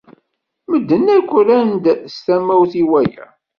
Medden akk rran-d s tamawt i waya.